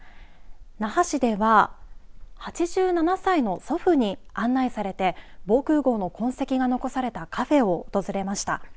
那覇市では８７歳の祖父に案内されて防空ごうの痕跡が残されたカフェを訪れました。